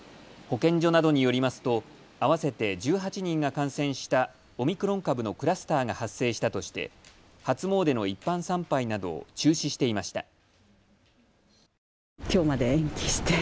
保健所などによりますと合わせて１８人が感染したオミクロン株のクラスターが発生したとして初詣の一般参拝などを中止していました。